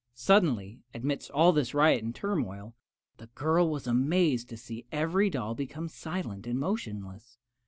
Suddenly, amidst all this riot and turmoil, the girl was amazed to see every doll become silent and motionless.